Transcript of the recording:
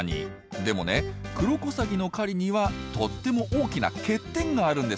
でもねクロコサギの狩りにはとっても大きな欠点があるんですよ。